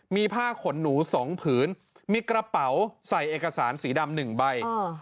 มีผ้าขนหนู๒ผืนมีกระเป๋าใส่เอกสารสีดำ๑ใบ